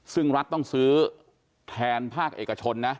ซึ่งรัฐต้องซื้อแทนภาคเอกชนนะ